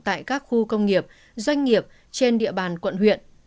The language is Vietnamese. tại các khu công nghiệp doanh nghiệp trên địa bàn quận huyện